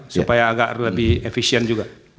supaya agak lebih efisien juga